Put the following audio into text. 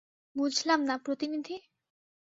বুঝলাম না, প্রতিনিধি?